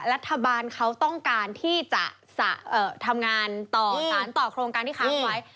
รัฐบาลเขาต้องการที่จะทำงานต่อสารต่อโครงการที่ค้างไว้